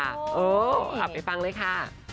อ๋ออับไปฟังเลยค่ะ